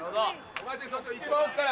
一番奥から。